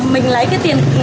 mình lấy cái tiền